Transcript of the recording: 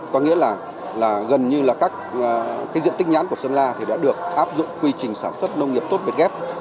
có nghĩa là gần như là các diện tích nhãn của sơn la thì đã được áp dụng quy trình sản xuất nông nghiệp tốt việt gáp